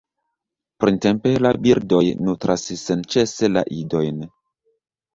Printempe, la birdoj nutras senĉese la idojn.